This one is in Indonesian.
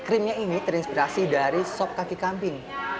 krimnya ini terinspirasi dari sop kaki kambing